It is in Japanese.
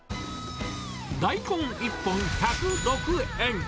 大根１本１０６円。